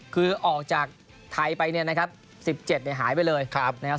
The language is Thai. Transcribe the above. คือออกจากไทยไปเนี่ยนะครับ๑๗เนี่ยหายไปเลยนะครับ